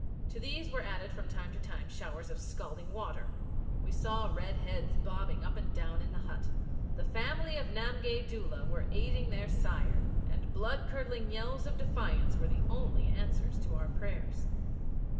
To these were added from time to time showers of scalding water. We saw red heads bobbing up and down in the hut. The family of Namgay Doola were aiding their sire, and blood curdling yells of defiance were the only answers to our prayers.